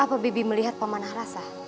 apa bibik melihat paman arasah